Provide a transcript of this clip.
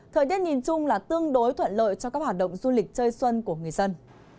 thời tiết nhìn chung là tương đối thuận lợi cho các hoạt động du lịch chơi xuân của người dân